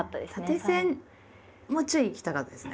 もうちょい行きたかったですね。